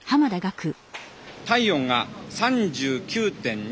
体温が３９．２度。